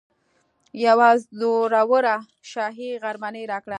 یوه زوروره شاهي غرمنۍ راکړه.